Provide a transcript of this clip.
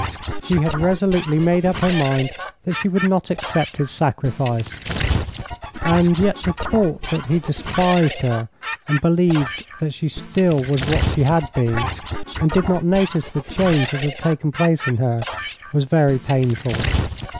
She had resolutely made up her mind that she would not accept his sacrifice, and yet the thought that he despised her and believed that she still was what she had been, and did not notice the change that had taken place in her, was very painful.